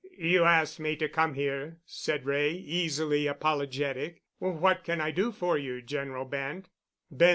"You asked me to come here," said Wray, easily apologetic. "What can I do for you, General Bent?"